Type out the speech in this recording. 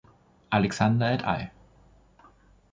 Alexander et al.